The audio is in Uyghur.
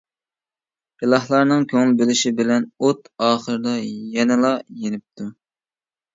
ئىلاھلارنىڭ كۆڭۈل بۆلۈشى بىلەن، ئوت ئاخىرىدا يەنىلا يېنىپتۇ.